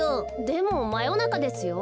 でもまよなかですよ。